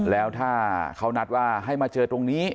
แล้วถ้าเขานัดว่าให้มาเจอตรงนี้